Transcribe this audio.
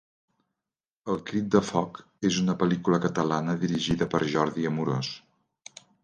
El crit del foc és una pel·lícula catalana dirigida per Jordi Amorós.